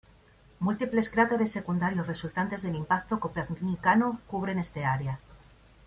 Múltiples cráteres secundarios resultantes del impacto copernicano cubren este área.